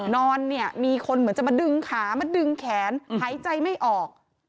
นอนเนี่ยมีคนเหมือนจะมาดึงขามาดึงแขนหายใจไม่ออก